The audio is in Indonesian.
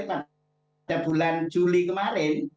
pada bulan juli kemarin